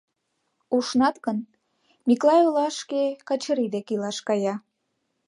Ушнат гын, Миклай олашке — Качырий дек илаш кая.